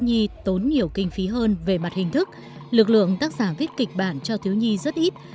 nhi tốn nhiều kinh phí hơn về mặt hình thức lực lượng tác giả viết kịch bản cho thiếu nhi rất ít